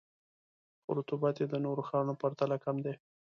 خو رطوبت یې د نورو ښارونو په پرتله کم دی.